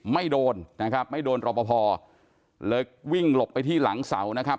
ไม่โดนนะครับไม่โดนรอปภเลยวิ่งหลบไปที่หลังเสานะครับ